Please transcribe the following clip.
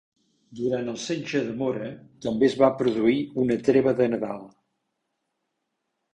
Durant el setge de Mora també es va produir una Treva de Nadal.